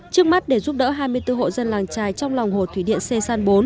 trước mắt để giúp đỡ hai mươi bốn hộ dân làng trài trong lòng hồ thủy điện sê san bốn